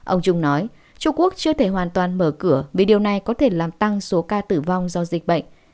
ông trung nói trung quốc chưa thể hoàn toàn mở cửa vì điều này có thể làm tăng số ca tử vong do dịch bệnh